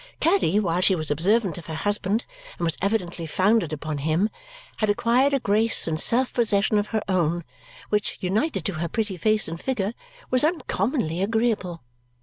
Caddy, while she was observant of her husband and was evidently founded upon him, had acquired a grace and self possession of her own, which, united to her pretty face and figure, was uncommonly agreeable.